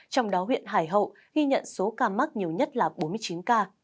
trong đó huyện hải hậu ghi nhận số ca mắc nhiều nhất là bốn mươi chín ca